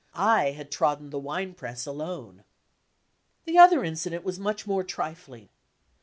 I had trodden the wine press alone. The other incident was much more trifling.